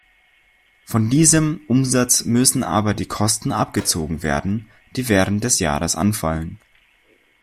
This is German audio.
Von diesem Umsatz müssen aber die Kosten abgezogen werden, die während des Jahres anfallen.